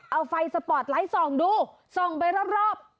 เอาไฟสปอร์ตไลท์ส่องดูส่องไปรอบ